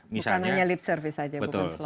bukan hanya lip service saja